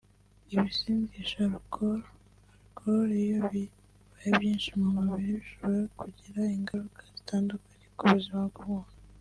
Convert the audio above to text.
Ibisindisha (Alcol/Alcohol) iyo bibaye byinshi mu mubiri bishobora kugira ingaruka zitandukanye ku buzima bw’umuntu